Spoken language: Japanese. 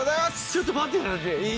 ちょっと待って。